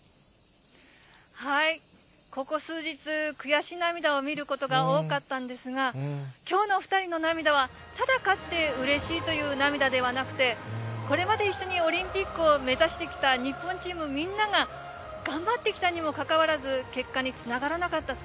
ここ数日、悔し涙を見ることが多かったんですが、きょうの２人の涙は、ただ勝ってうれしいという涙ではなくて、これまで一緒にオリンピックを目指してきた日本チームみんなが、頑張ってきたにもかかわらず、結果につながらなかった。